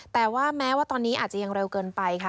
แต่ว่าแม้ว่าตอนนี้อาจจะยังเร็วเกินไปค่ะ